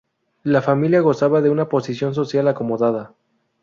La familia gozaba de una posición social acomodada.